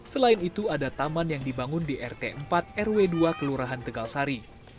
selain itu ada taman yang dibangun di rt empat rw dua kelurahan tegalsari